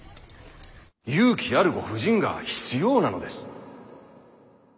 勇気あるご婦人が必要なのです。